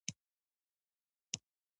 پنېر بدن ته ګټه رسوي.